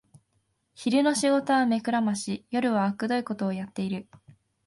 昼の仕事は目くらまし、夜はあくどいことをやってる